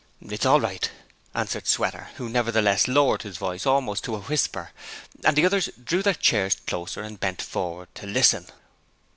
'It's all right,' answered Sweater, who nevertheless lowered his voice almost to a whisper, and the others drew their chairs closer and bent forward to listen.